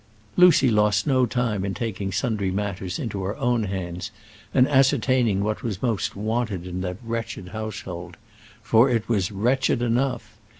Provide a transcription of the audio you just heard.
Lucy lost no time in taking sundry matters into her own hands, and ascertaining what was most wanted in that wretched household. For it was wretched enough.